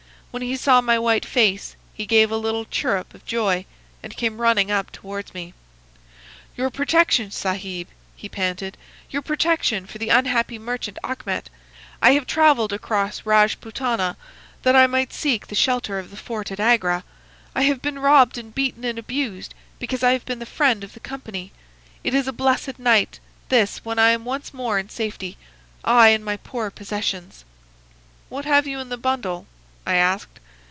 When he saw my white face he gave a little chirrup of joy and came running up towards me. "'Your protection, Sahib,' he panted,—'your protection for the unhappy merchant Achmet. I have travelled across Rajpootana that I might seek the shelter of the fort at Agra. I have been robbed and beaten and abused because I have been the friend of the Company. It is a blessed night this when I am once more in safety,—I and my poor possessions.' "'What have you in the bundle?' I asked.